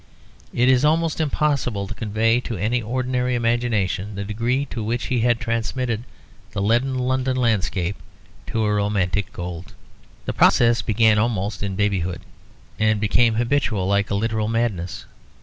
It is almost impossible to convey to any ordinary imagination the degree to which he had transmitted the leaden London landscape to a romantic gold. The process began almost in babyhood, and became habitual like a literal madness.